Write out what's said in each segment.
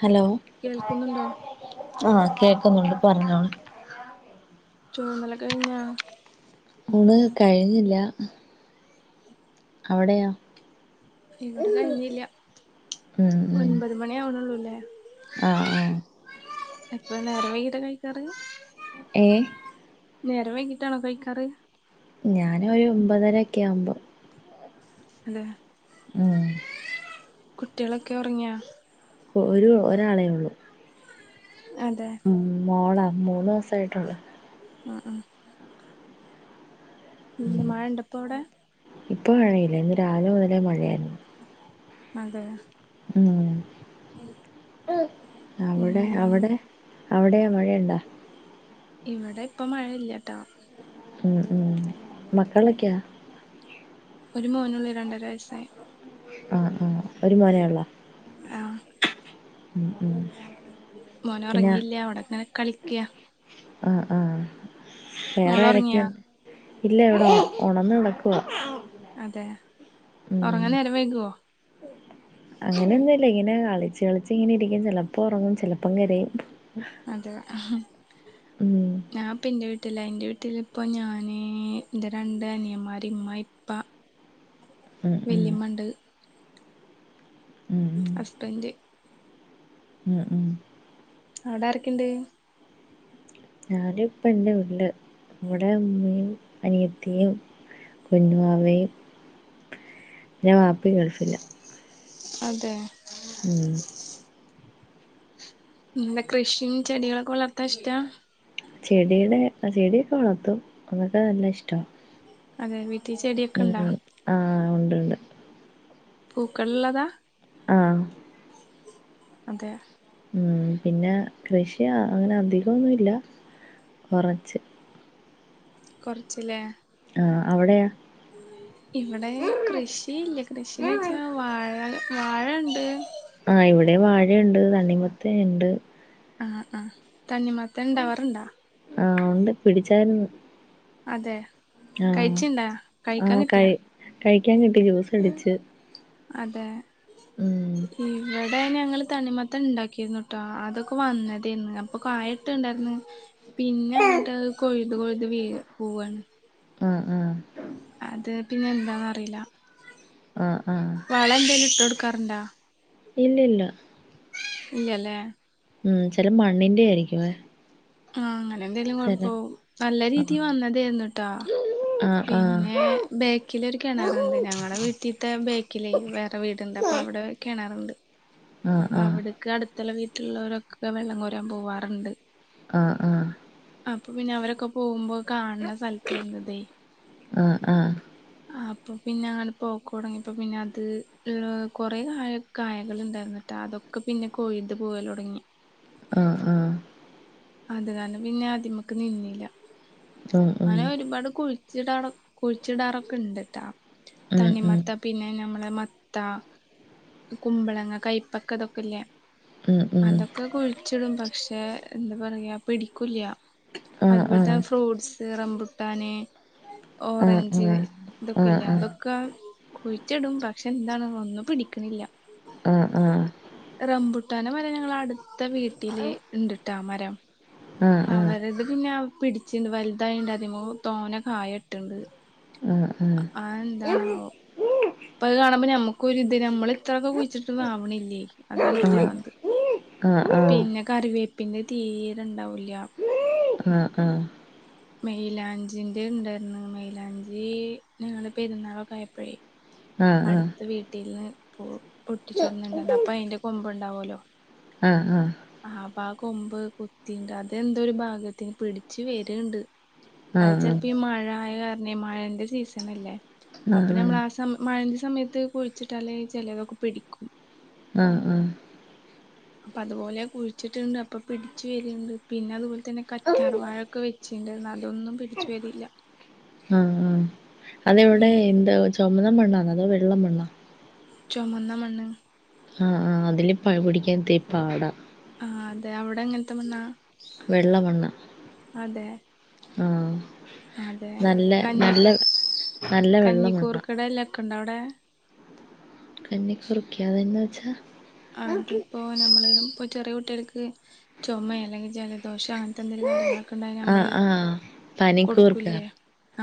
Hello. കേൾക്കുന്നുണ്ടോ? ആഹ് കേക്കുന്നുണ്ട് പറഞ്ഞോള്. ചോറ് ന്നലൊക്കെ കഴിഞ്ഞാ? ഊണ് കഴിഞ്ഞില്ല. അവിടെയൊ ഇവിടെ കഴിഞ്ഞില്ല ഉം ഉം ഒൻപത് മണി ആവ്‌ണൊള്ളൂല്ലേ? ആഹ് ആഹ്. എപ്പഴു നേരം വൈകീട്ട കഴിക്കാറ്? ഏഹ്. നേരം വൈകിട്ടാണോ കഴിക്കാറ്? ഞാന് ഒരു ഒമ്പതെരക്കെ ആമ്പോ. ഹലോ ഹ ഉം. കുട്ടോളൊക്കെ ഒറങ്ങിയാ? ഒരു ഒരാളേ ഉള്ളൂ. അതെ. മ് മോളാ മൂന്ന് വസായിട്ടുള്ളൂ. ആഹ് ആഹ് ഇന്ന് മഴണ്ടൊപ്പവടെ? ഇപ്പോ മഴയില്ല ഇന്ന് രാവിലെ മുതലെ മഴയായിരുന്നു. അതെയ ഉം അവിടെ എന്താണ് അവിടെ. അവിടെയോ മഴയുണ്ടോ? ഇവിടെ ഇപ്പ മഴയില്ല്യട്ടോ. ഉം ഉം മക്കളൊക്കെയോ? ഒരു മോനൊള്ളൂ രണ്ടര വയസ്സായി. ആഹ് ആഹ് ഒരു മോനേ ഒള്ളോ ആ ഉം ഉം. പിന്നെ മോനൊറങ്ങിയില്ല്യ അവിടങ്ങനെ കളിക്ക്യ. ആഹ് ആഹ് വേറെ മോള് ഉറങ്ങിയാ ആരൊക്കെയൊണ്ട്? ഇല്ല ഇവിടെ ഒണന്ന് കെടക്കുവാ. അതെ, ഒറങ്ങാൻ നേരം വൈകുവോ? അങ്ങനെയൊന്നുല്ല ഇങ്ങനെ കളിച്ച് കളിച്ച് ഇങ്ങനെ ഇരിക്കും ചെലപ്പോ ഒറങ്ങും ചെലപ്പം കരയും. അതെയൊ ആഹ് ഉം ഞാൻ ഇപ്പം ഇന്റെ വീട്ടിലാ ഇന്റെ വീട്ടിലിപ്പ ഞാന് ഇന്റെ രണ്ട് അനിയൻമാര് ഇമ്മ ഇപ്പ. ഉം ഉം വെല്യമ്മണ്ട്. ഉം ഉം ഹസ്ബന്റ്. ഉം ഉം അവിടാരൊക്കെയുണ്ട്? ഞാനിപ്പ ഇൻറെ വീട്ടില് ഇവിടെ ഉമ്മയും അനിയത്തിയും. കുഞ്ഞുവാവയും പിന്നെ വാപ്പ ഗൾഫിലാ. അതെ ഉം പിന്നെ കൃഷിയും ചെടികളൊക്കെ വളർത്താൻ ഇഷ്ടാ? ചെടികള് ചെടിയൊക്കെ വളർത്തും അങ്ങനത്തെ നല്ല ഇഷ്ടവാ. അതെ വീട്ടിൽ ചെടിയൊക്കെണ്ടോ? ആഹ് ഉണ്ട് പൂക്കളുള്ളതാ? ആഹ് അതെ. ഉം പിന്നെ കൃഷി അങ്ങനെ അധികൊന്നുല്ല കൊറച്ച്. കൊറച്ച് ലേ ആഹ് അവിടെയോ? ഇവിടെ കൃഷിയില്ല കൃഷിന്നു വെച്ചാ വാഴ വാഴണ്ട്. ആഹ് ഇവിടേം വാഴണ്ട് തണിമത്തനുണ്ട്. ആഹ് ആഹ് തണ്ണി മത്തൻ ഇണ്ടാവാറുണ്ടോ? ആഹ് ഉണ്ട് പിടിച്ചായിരുന്നു. അതേ ആഹ് ആഹ് കഴി കഴിക്കാൻ കിട്ടി ജ്യൂസ് അടിച്ചു. അതെ ഇവിടെ ഞങ്ങള് തണ്ണിമത്തൻ ഉണ്ടാക്കിരുന്നുട്ടോ. അതൊക്കെ വന്നതേനു അപ്പൊ കായൊട്ട് ഇണ്ടായിരുന്നു. പിന്നങ്ങട്ട് അഹ് കൊഴുത് കൊഴുത് വീഴു പോവാണ്. ആഹ് ആഹ് അത് പിന്നെന്താന്നറിയില്ല. ആഹ് ആഹ് വളം എന്തേലും ഇട്ട്കൊടുക്കാറുണ്ടോ? ഇല്ലില്ല. ഇല്ല ല്ലേ. ഉം, ചെല മണ്ണിന്റെ ആയിരിക്കുല്ലേ. ആഹ് അങ്ങനെന്തേലും കൊഴപ്പാവും. നല്ല ആ രീതീ വന്നതായിരുന്നുട്ടാ. ആ ആ പിന്നെ, ബേക്കിൽ ഒരു കെണറൊണ്ട്. ഞങ്ങടെ വീട്ടിലത്തെ ബേക്കിലേ വേറെ വീടുണ്ട്. അപ്പ, വിടെ കെണറുണ്ട്. ആഹ്, ആഹ് ക്ക, അടുത്തുള്ള വീട്ടിലുള്ളവരൊക്കെ വെള്ളം കോരാൻ പോവാറുണ്ട്. ആഹ്, ആഹ് അപ്പൊ, പിന്നെ അവരൊക്കെ പോകുമ്പോ, കാണ് ണ സ്ഥലത്തായിരുന്നതെ. ആഹ്, ആഹ് ആഹ് അപ്പോൾ, പിന്നെ അങ്ങനെ പോക്ക തുടങ്ങിയപ്പോൾ പിന്നെ അത് കുറേ കായ കായകൾണ്ടായിരുന്ന കേട്ടോ അതൊക്കെ ഒക്ക, പിന്നെ കോഴീ്ത് പോകൽ തുടങ്ങി. ആഹ്, ആഹ് അത് കാരണം പിന്നെ ആദ്മക്ക് നിന്നില്ല. ഉം ഉം അങ്ങനെ ഒരുപാട് കുഴിച്ചിടാണ്. കുഴിച്ചിടാറൊക്കെ ഇണ്ട്ട്ടാ. ഉം ഉം തണ്ണിമത്ത പിന്നെ നമ്മളെ മത്ത കുമ്പളങ്ങ കൈപ്പക്ക അതൊക്കെല്ലേ? ഉം ഉം അതൊക്കെ കുഴിച്ചിടും, പക്ഷെ എന്താ പറയാ, പിടിക്കു ല. ആ ആ അതുപോലെ തന്നെ ഫ്രൂട്ട്സ് റംമ്പുട്ടന് ആ ആ ഓറഞ്ച് ആ ആ ഇതൊക്കെല്ലേ, അതൊക്ക കുഴിച്ചിടും പക്ഷെ, എന്താണ് ഒന്നും പിടിക്കുന്നില്ല. ആ റബുട്ടനെ മരം ഞങ്ങള അടുത്ത വീട്ടില് ഇണ്ടിട്ടാ മരം ആ ആ ആ അവരത് പിന്നെ പിടിച്ചിണ്ട്. വലുതായി ഉണ്ട്. അതി്പോ തോന കായ കിട്ടുണ്ട്. ആഹ്, ആഹ് ആത് എന്താണ വോ ഇപ്പത് കാണുമ്പോൾ നമുക്കൊ ഒരുരിത്, നമ്മൾ ഇത്രയക്കെ കുഴിച്ചിട്ടൊന്നും ആവണില്ലേ? ആഹ് അതാണ് പ്രാന്ത്. ആഹ് ആഹ് പിന്നെ കറിവേപ്പിന്റെ തീരെ ഉണ്ടാവില്ല. ആഹ് ആഹ് മെയിലാഞ്ചിന്റെ ഉണ്ടായിരുന്നു. മെയിലാഞ്ചി ഞങ്ങ പെരുന്നാളൊക്ക ആയപ്പോഴേ, ആഹ് ആഹ് ആഹ് ആഹ് അടുത്ത വീട്ടിൽന്ന് പൊട്ടിച്ചൊടുന്നുണ്ടന്ന അപ്പൊ അയിന്റെ കൊമ്പുണ്ടാവല്ലോ? ആഹ് ആഹ് ആഹ് ആഹ് അപ്പ ആ കൊമ്പ് കുത്തിണ്ട്. അതെന്തോ ഒരു ഭാഗ്യത്തിന് പിടിച് വരുണ്ട്. അത് ചിലപ്പോ ഈ മഴ ആയ കാരണം, മഴന്റെ സീസൺ അല്ലേ? അപ്പൊ നമ്മൾ ആ സ മഴന്റെ സമയത്ത് കുഴിച്ചിട്ടല് ചിലതൊക്കെ പിടിക്കും. ആഹ് ആഹ് അപ്പൊ അതുപോലെ കുഴിച്ചിട്ടുണ്ട്, അപ്പൊ പിടിച്ചച്ച് വരണ്ട്. പിന്നെ, അതുപോലെ തന്നെ കറ്റാർവാഴ ഒക്കെ വെച്ചിട്ടുണ്ടരുന്നു. അതൊന്നും പിടിച്ചു വരില്ല. ആഹ്, ആഹ് അതെവിടെ. പിന്നെ എന്താ ചുമന്ന മണ്ണാണോ അതോ വെള്ള മണ്ണോ. ചുമന്ന മണ്ണ്. ആഹ്, ആഹ് അതില് പഴ പ പിടിക്കാൻ തിരി പാടാ. ആഹ്, അതെ അവിടെ എങ്ങനത്തെ മണ്ണ. വെള്ള മണ്ണ്, ആഹ് അതെ, നല്ല കന്നി നല്ല നല്ല വെള്ള മണ്ണാ കന്നിക്കൂർക്കേടെ ഇല ഒക്കെ ഉണ്ട അവിടെ. കന്നിക്കൂർക്ക അത് എന്ന് വച്ച. അതിപ്പോ നമ്മള് ഇ ചെറിയ കുട്ടി കൾക്ക് ചുമ അെിൽ ജലദോഷ അനത്തെന്തെങ്കില കാര്യങ്ങളൊക്കെ ണ്ട ആഹ് നമ്മള് ആഹ് പനിക്കൂർക്ക കൊടുക്കൂല്ലേ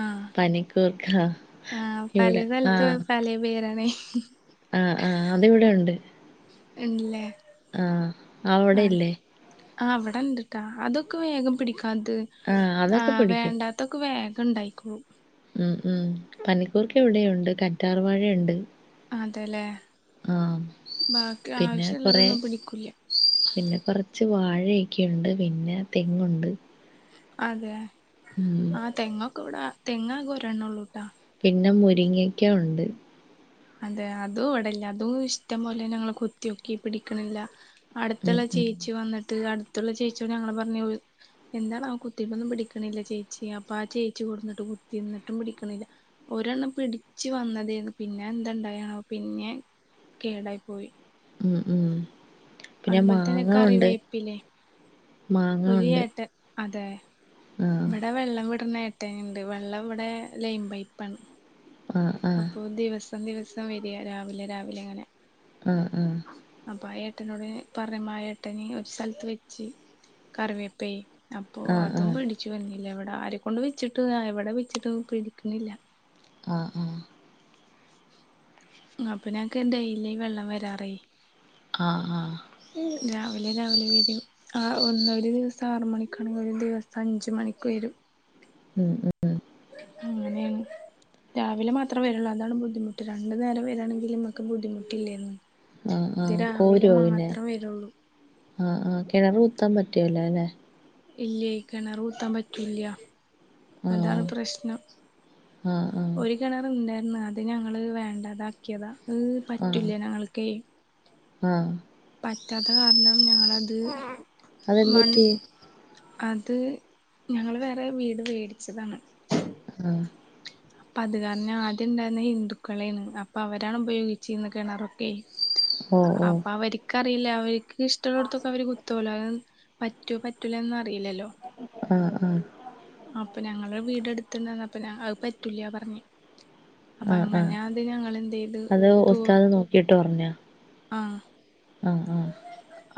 ആഹ് പനിക്കൂർക്ക ആഹ് പല ഇവിടെ സ്ഥലത്ത് ആഹ് പല പേരാണ് ആഹ് ആഹ് അത ഇവിടെ ഉണ്ട് ഇന്ട്ല്ലെ ആഹ് അവിടെ ഇല്ലേ ആഹ് അവിടെ ഇണ്ട്ട്ടാ അതൊക്കെ വേഗം പിടിക്കാത് ആഹ് അതൊക്കെ ആഹ് പിടിക്കും വേണ്ടാ ഇതൊക്കെ വേഗം ഉണ്ടായിക്കൊളൂ മ്മ് മ്മ് പനിക്കൂർക്ക് എവിടെയുണ്ട് കറ്റാർവാഴയുണ്ട് അതെല്ലേ ബാക്കി പിന്നെ ആവശ്യുള്ളതൊന്നും പിടിക്കൂില്ല കുറച്ച് വാഴയൊക്കെയുണ്ട് പിന്നെ തെങ്ങുണ്ട് അതെ ഉം ആഹ് തെങ്ങൊക്കെ ഇവടാ തെങ്ങാകെ ഒരെണ്ണള്ളൂ ട്ടോ പിന്നെ മുരിങ്ങയ്ക്ക ഉണ്ട് അതെ അതും ഇവടല്ല അതും ഇഷ്ടം പോലെ ഞങ്ങള് കുത്തിയൊക്കി പിടിക്കണില്ല ഉം അടുത്തുള്ള ഉം ചേച്ചി വന്നിട്ട് അടുത്തുള്ള ചേച്ചിയോട് ഞങ്ങള് പറഞ്ഞ് എന്താണാവൊ കുത്തിയിട്ടൊന്നും പിടിക്കണില്ല ചേച്ചി അപ്പ ആ ചേച്ചി കൊടുന്നിട്ട് കുത്തി ഇന്നട്ടും പിടിക്കണില്ല ഒരെണ്ണം പിടിച്ചു വന്നതേന്നു പിന്നെ എന്ത ണ്ടായാവം പിന്നെ കേടായി പോയി ഉം ഉം പിന്നെ അതുപോലെ തന്നെ മാങ്ങ ഉണ്ട് മാങ്ങ ഒര് ഉണ്ട് ഏട്ടൻ അതെ ആഹ് ഇവടെ വെള്ളം വിട്ണ ഏട്ടന്ണ്ട് വെള്ളം ഇവിടെ ലൈം പൈപ്പാണ് ആഹ് അപ്പൊ ദിവസം ദിവസം വര്യ രാവിലെ രാവിലെങ്ങനെ ഉം ഉം അപ്പൊ ആ ഏട്ടനോട് പർഞ്ഞപ്പ ആ ഏട്ടന് ഒരു സ്ഥലത്ത് വെച്ച് കറിവേപ്പേ അപ്പൊ ആഹ് ആഹ് അതും ആഹ് പിടിച്ചു വന്നില്ല ഇവടെ ആരെ കൊണ്ട് വെച്ചിട്ടും എവടെ വെച്ചിട്ടും പിടിക്ക്ണില്ല ആഹ് അപ്പം ഞങ്ങക്ക് ഡൈലി വെള്ളം വരാറെ ആഹ് ആഹ് ആഹ് ഇവല് രാവിലെ വരും ആ ഒന്ന് ഒരു ദിവസം ആറ് മണിക്കാണെങ്കി ഒരു ദിവസം അഞ്ച് മണിക്ക് വരും ഉം ഉം അങ്ങനെയാണ് രാവിലെ മാത്രേ വരുള്ളൂ അതാണ് ബുദ്ധിമുട്ട് രണ്ടു നേരം വരാണെങ്കിൽ നമുക്ക് ബുദ്ധിമുട്ടില്ലേന്ന് ആഹ് ആഹ് കോര്യോ പിന്നെ വരുള്ളൂ ആഹ് ആഹ് കെണറ് കുത്താൻ പറ്റുവല്ലോ ല്ലേ ഇല്ലേയ് കെണറ് കൂത്താൻ പറ്റൂല്ല്യ അതാണ് ആഹ് പ്രശ്നം ആഹ് ഒര് ആഹ് കെണർ ഇണ്ടായിരുന്നു അത് ഞങ്ങള് വേണ്ടതാക്കിയതാ അത് പറ്റൂല ഞങ്ങൾക്കേയ് ആഹ് പറ്റാത്ത കാരണം ഞങ്ങളത് അതെന്ത് മൺ പറ്റി അത് ഞങ്ങള് വേറെ വീട് വേടിച്ചതാണ് ആഹ് അപ്പം അത് കാരണം ആദ്യം ഉണ്ടായിരുന്ന ഹിന്ദുക്കളേന്ന് അപ്പൊ അവരാണ് ഉപയോഗിച്ചന്നെ കെണ്റൊക്കെയ് ഓ ഓ അപ്പം അവർക്കറില അവർക്ക് ഇഷ്ടല്ലോട്ത്തൊക്കെ അവര് കുത്തോലോ അ പറ്റോ പറ്റൂലേന്ന് അറീലല്ലോ ആഹ് ആഹ് അപ്പം ഞങ്ങളെ വീട് എടുത്ത്ണ്ടന്നപ്പ അത് പറ്റൂല പറഞ്ഞു അപ്പം ആഹ് ആഹ് അങ്ങനെ അത് ഞങ്ങളെന്തെയ്ത് ടൂർ കിട്ട് പറഞ്ഞോ ആഹ് ആഹ്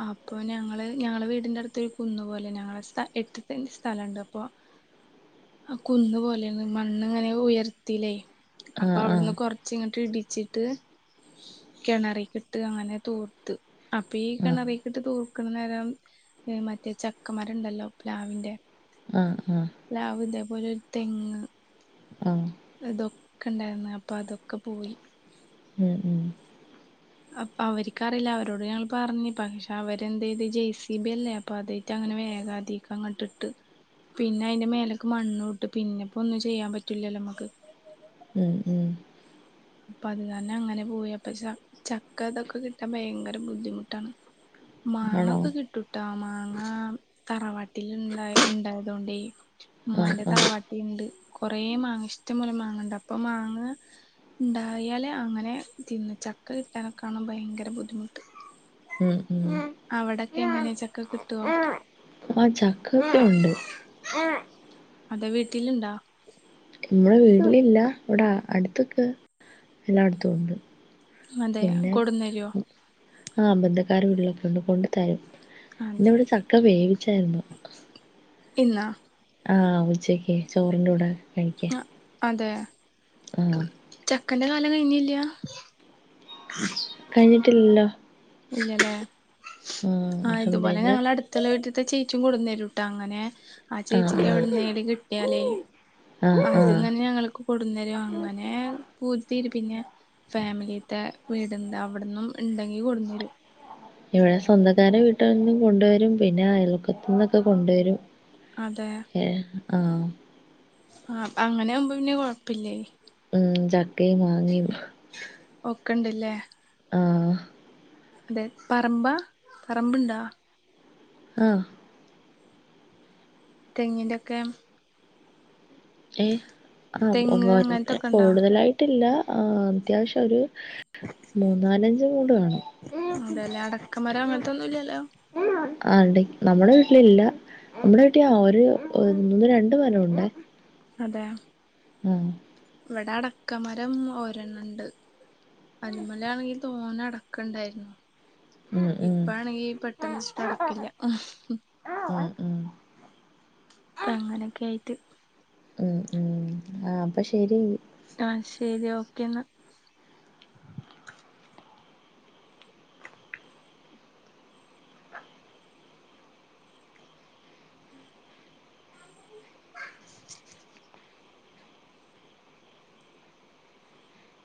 ആഹ് അപ്പം ഞങ്ങള് ഞങ്ങളെ വീടിൻ്റെ അടുത്ത് ഒരു കുന്ന പോലെ ഞങ്ങള സ് എട്ട് സെൻ്റ് സ്ഥലണ്ട് അപ്പം അത് കുന്ന് പോലെയാണ് മണ്ണിങ്ങനെ ഉയർത്തിലേ അപ്പം ആഹ് ആഹ് അവുടുന്ന് കൊറച്ചിങ്ങട്ട് ഇടിച്ചിട്ട് കിണറീക്കിട്ട് ട്ട് അങ്ങനെ തൂർത്ത് അപ്പം ഈ ആഹ് ആഹ് കെണറീക്കിട്ട് തൂർ ക്കുന്നേരം മറ്റേ ചക്കമരണ്ടല്ലോ പ്ലാവിന്റെ ആഹ് ആഹ് പ്ലാവ് ഇതേപോലെ ഒരു തെങ്ങ് ആഹ് ഇതൊക്കെ ഇണ്ടായിരുന്നു അപ്പം അതൊക്കെ പോയി ഉം ഉം അപ്പം അവർക്കറീല്ല അവരോട് ഞങ്ങൾ പറഞ്ഞ് പക്ഷെ അവരെന്തെയ്ത് ജെ സി ബി അല്ലേ അപ്പ അത് റ്റങ്ങനെ വേഗാതിക്കങ്ങട്ടിട്ട് പിന്നെ അയ്ന്റെ മേലെക്ക് മണ്ണൂട്ട് പിന്നെപ്പൊന്നും ചെയ്യാൻ പറ്റൂലല്ലോ മ്മക്ക് ഉം ഉം അപ്പൊ അത് കാരണം അങ്ങനെ പോയി അപ്പ ച ചക്ക ഇതൊക്കെ കിട്ടാൻ ഭയങ്കര ബുദ്ധിമുട്ടാണ് മാങ്ങ ആണോ ഒക്കെ കിട്ടൂട്ടാ മാങ്ങ തറവാട്ടിൽ ലുന്ന ഉണ്ടായത കൊണ്ടേ ആഹ് ഉമ്മാന്റെ ആഹ് തറവാ ണ്ട് കൊറേ മാങ്ങ ഇഷ്ടം പോലെ മാങ്ങണ്ട് അപ്പൊ മാങ്ങ ഉണ്ടായാല് അങ്ങനെ തിന്ന് ചക്ക കിട്ടാനൊക്കെയാണ് ഭയങ്കര ബുദ്ധിമുട്ട് ഉം ഉം അവിടൊക്കെ എങ്ങനെയ ചക്ക കിട്ടുവോ ആഹ് ചക്ക ഒക്കെ ഉണ്ട് അതെ വീട്ടിലുണ്ടോ നമ്മടെ വീട്ടിലില്ല ഇവിടെ അടുത്തൊക്ക എല്ലായിടത്തും ഉണ്ട് അതെ പിന്നെ കൊടുന്നരുവോ ആഹ് അമ്പന്തക്കാർ വീട്ടിലൊക്കെ ഉണ്ട് കൊണ്ട് തരും ഇന്ന് അതെ ഇവിടെ ചക്ക വേവിച്ചായിരുന്നു ഇന്നാ ആഹ് ഉച്ചക്ക് ചോറിന്റെ കൂടെ കഴിക്കാൻ അതെ ആ ചക്കന്റെ കാലം കഴിഞ്ഞില്ല കഴിഞ്ഞിട്ടില്ലല്ലോ ഇല്ലല്ലേ ആ ആഹ് ഇതുപോലെ അൽഹംദുലില്ല ഞങ്ങള അടു അടുത്തുളള വീട്ടിലത്തെ ചേച്ചും കൊടു തരുംട്ടാ അങ്ങനെ ആ ചേച്ചിക്ക് എവിടുന്നേലും കിട്ടിയാലേ ആ ആ അത്ങ്ങനെ ഞൾങ്ങക്ക് കൊടുന്നരും അങ്ങനെ പൂ തീരി പിന്നെ ഫാമിലിത്തെ വീടുണ്ട് അവിടുന്നും ഉണ്ടെങ്കിൽ കൊടു തരും ഇവിടെ സ്വന്തക്കാരെ വീട്ടിൽ നിന്നും കൊണ്ടുവരും പിന്നെ അയൽക്കത്തുന്നൊക്കെ കൊണ്ടുവരും അതെ എഹ് ആഹ് ആഹ് അപ്പ അങ്ങനെ ആകുമ്പോ പിന്നെ കൊഴപ്പില്ലേ ഉം ചക്കയും മാങ്ങയും ഒക്കണ്ടല്ലേ ആഹ് അതെ പറമ്പാ പറമ്പുണ്ടോ ആഹ്. തെങ്ങിന്റെക്കെ. ഏഹ്, ആഹ് തെങ്ങ് ഒന്നോ രണ്ടോ അങ്ങനത്തൊക്കെ ഉണ്ടോ കൂടുതലായി ട്ടില്ല അത്യാവശ്യം ഒരു മൂന്നാലഞ്ച് മൂട് കാണും. അതെല്ലേ അടക്കമരം അങ്ങനത്തെന്നും ഇല്ലല്ലോ. ആടക്ക് നമ്മടെ വീട്ടിലില്ല. നമ്മുടെ വീട്ടി ആ ഒരു ഒന്ന് രണ്ട് മരം ഉണ്ടേ. അതെ. ആഹ്. ഇവിടെ അടക്ക മരം ഒരെണ്ണണ്ട്. അതിമേല ആണെങ്കി തോന അടക്ക ഇണ്ടായിരുന്നു. ഉം ഉം ഇപ്പാണെങ്കി പെട്ടെന്ന്ച്ചിട്ട് അടക്കില്ല. ഉം, ഉം അപ്പ അങ്ങനെയൊക്കെ ആയിട്ട്. ഉം ഉം ആഹ് അപ്പ ശരിയെങ്കി. ആഹ് ശരി ഓക്കേന്നാ.